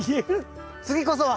次こそは！